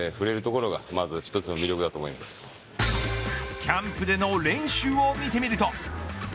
キャンプでの練習を見てみると。